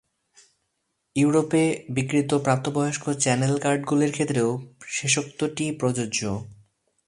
ইউরোপে বিক্রিত প্রাপ্তবয়স্ক চ্যানেল কার্ডগুলির ক্ষেত্রেও শেষোক্তটি প্রযোজ্য।